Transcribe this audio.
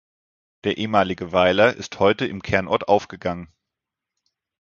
Der ehemalige Weiler ist heute im Kernort aufgegangen.